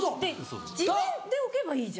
自分で置けばいいじゃん。